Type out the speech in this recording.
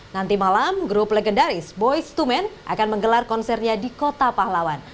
nanti malam grup legendaris boyz ii men akan menggelar konsernya di kota pahlawan